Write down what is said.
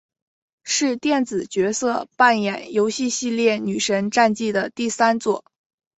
是电子角色扮演游戏系列女神战记的第三作。